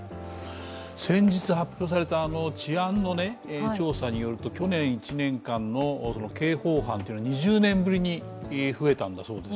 先日発表された治安の調査によると去年１年間の刑法犯というのは２０年ぶりに増えたんだそうです。